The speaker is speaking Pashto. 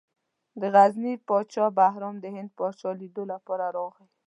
د غزني پاچا بهرام د هند پاچا لیدلو لپاره راغی.